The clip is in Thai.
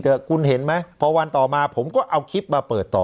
คุณเห็นไหมพอวันต่อมาผมก็เอาคลิปมาเปิดต่อ